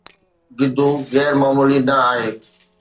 گدو غير معمولي نه آهن